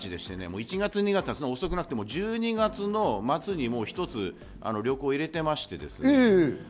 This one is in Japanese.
１月、２月、そんな遅くなくても、１２月の末に１つ旅行を入れてましてね。